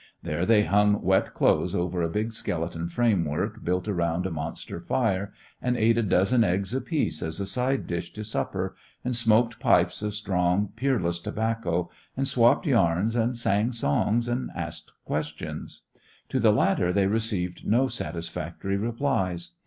There they hung wet clothes over a big skeleton framework built around a monster fire, and ate a dozen eggs apiece as a side dish to supper, and smoked pipes of strong "Peerless" tobacco, and swapped yarns, and sang songs, and asked questions. To the latter they received no satisfactory replies.